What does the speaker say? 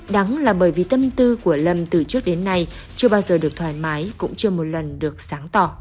đáng là bởi vì tâm tư của lâm từ trước đến nay chưa bao giờ được thoải mái cũng chưa một lần được sáng tỏ